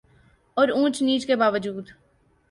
اور اونچ نیچ کے باوجود